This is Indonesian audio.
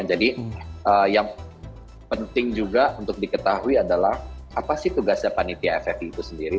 jadi yang penting juga untuk diketahui adalah apa sih tugasnya panitia ffi itu sendiri